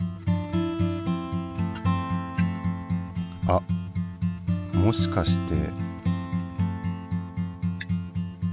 あっもしかして。